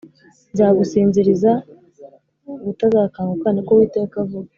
nzagusinziriza ubutazakanguka Ni ko Uwiteka avuga